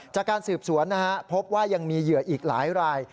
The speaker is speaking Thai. จากการสืบสวนนะฮะพบว่ายังมีเหยื่ออีกหลายราย